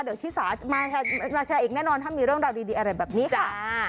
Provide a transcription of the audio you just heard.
เดี๋ยวชิสามาแชร์อีกแน่นอนถ้ามีเรื่องราวดีอะไรแบบนี้ค่ะ